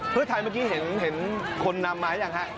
เพื่อไทยเมื่อกี้เห็นคนนำมายังฮะ